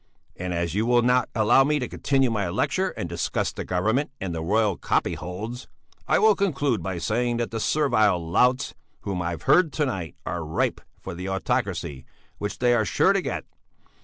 And as you will not allow me to continue my lecture and discuss the Government and the royal copyholds, I will conclude by saying that the servile louts whom I have heard to night are ripe for the autocracy which they are sure to get.